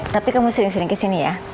tapi kamu sering sering kesini ya